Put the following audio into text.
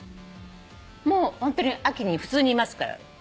ホントに秋に普通にいますから。